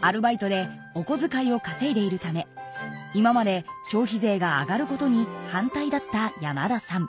アルバイトでおこづかいをかせいでいるため今まで消費税が上がることに反対だった山田さん。